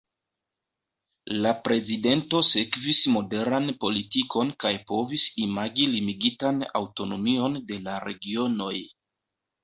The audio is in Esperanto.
La prezidento sekvis moderan politikon kaj povis imagi limigitan aŭtonomion de la regionoj.